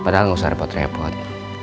padahal nggak usah repot repot